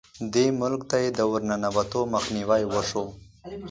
دې ملک ته یې د ورننوتو مخنیوی وشو.